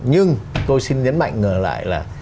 nhưng tôi xin nhấn mạnh ngờ lại là